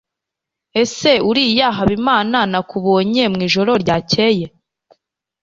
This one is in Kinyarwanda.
ese uriya habimana nakubonye mwijoro ryakeye